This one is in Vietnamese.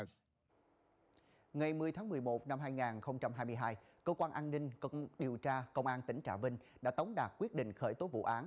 ngày một mươi tháng một mươi một năm hai nghìn hai mươi hai cơ quan an ninh điều tra công an tỉnh trà vinh đã tống đạt quyết định khởi tố vụ án